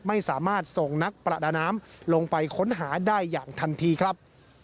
ไม่สามารถส่งนักประดาน้ำลงไปค้นหาได้อย่างทันทีครับ